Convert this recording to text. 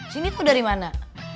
cindy tau dari mana